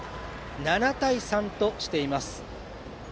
７対３としています。